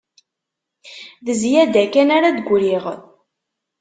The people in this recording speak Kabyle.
D zzyada kan ara d-griɣ